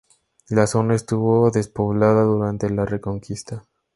La zona estuvo despoblada durante la Reconquista.